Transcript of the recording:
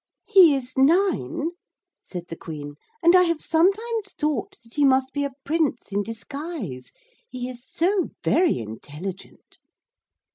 'He is nine,' said the Queen, 'and I have sometimes thought that he must be a prince in disguise. He is so very intelligent.'